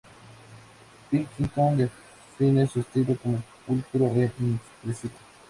Pilkington define su estilo como pulcro e inexpresivo.